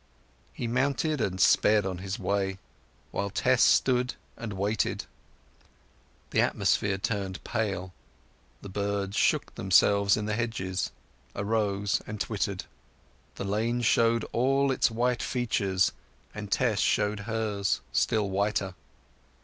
He mounted and sped on his way; while Tess stood and waited. The atmosphere turned pale, the birds shook themselves in the hedges, arose, and twittered; the lane showed all its white features, and Tess showed hers, still whiter.